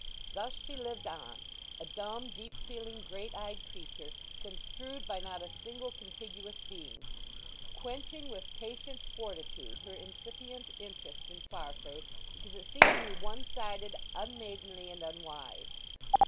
Thus she lived on, a dumb, deep feeling, great eyed creature, construed by not a single contiguous being; quenching with patient fortitude her incipient interest in Farfrae, because it seemed to be one sided, unmaidenly, and unwise.